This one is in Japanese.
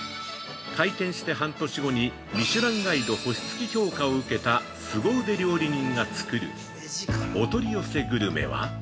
開店して半年後に、ミシュランガイド星付き評価を受けた、すご腕料理人が作るお取り寄せグルメは。